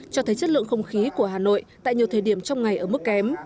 cho thấy chất lượng không khí của hà nội tại nhiều thời điểm trong ngày ở mức kém